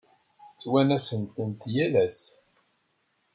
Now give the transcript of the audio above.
Ttwanasen-tent yal ass.